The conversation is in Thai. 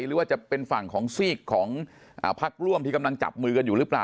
หรือว่าจะเป็นฝั่งของซีกของพักร่วมที่กำลังจับมือกันอยู่หรือเปล่า